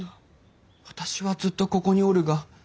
私はずっとここにおるが。